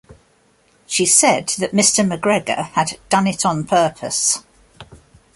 She said that Mr McGregor had "done it on purpose."